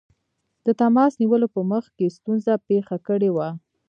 د تماس نیولو په مخ کې ستونزه پېښه کړې وه.